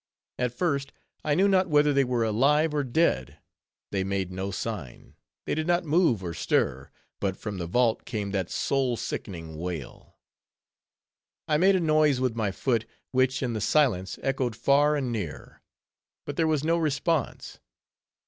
At first, I knew not whether they were alive or dead. They made no sign; they did not move or stir; but from the vault came that soul sickening wail. I made a noise with my foot, which, in the silence, echoed far and near; but there was no response.